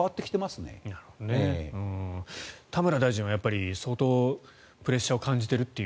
田村大臣は相当プレッシャーを感じているという。